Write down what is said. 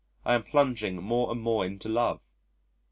I am plunging more and more into love.